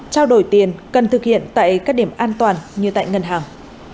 trao đổi tiền cần thực hiện tại các điểm an toàn như tại ngân hàng